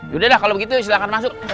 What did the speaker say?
yaudah lah kalau begitu silahkan masuk